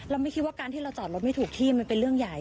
ไม่คิดว่าการที่เราจอดรถไม่ถูกที่มันเป็นเรื่องใหญ่